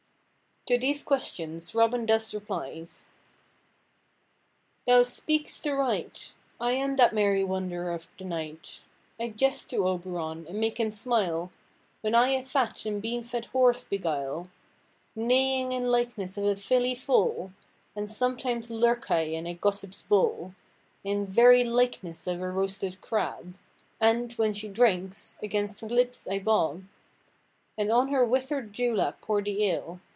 To these questions Robin thus replies:— "Thou speak'st aright; I am that merry wanderer of the night. I jest to Oberon, and make him smile, When I a fat and bean–fed horse beguile, Neighing in likeness of a filly foal: And sometimes lurk I in a gossip's bowl, In very likeness of a roasted crab; And, when she drinks, against her lips I bob, And on her wither'd dewlap pour the ale.